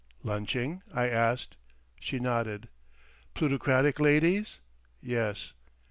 "Lunching?" I asked. She nodded. "Plutocratic ladies?" "Yes."